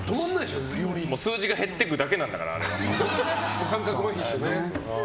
数字が減ってくだけなんだから。